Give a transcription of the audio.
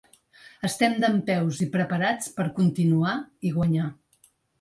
Estem dempeus i preparats per continuar i guanyar.